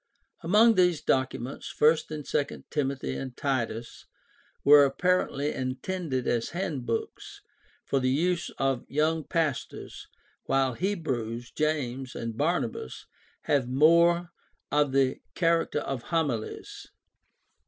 Among these documents I and II Timothy and Titus were apparently intended as handbooks" for the use of young pastors, while Hebrews, James, and Barnabas have more of the character of homilies.